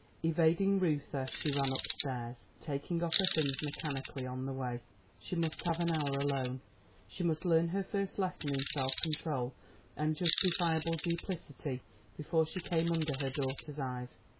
Evading Reuther, she ran up stairs, taking off her things mechanically on the way. She must have an hour alone. She must learn her first lesson in self control and justifiable duplicity before she came under her daughter's eyes.